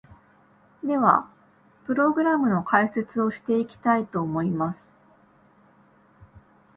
では、プログラムの解説をしていきたいと思います！